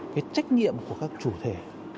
cái trách nhiệm của các chủ thể